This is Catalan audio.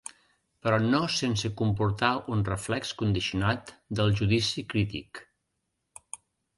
Però no sense comportar un reflex condicionat del judici crític.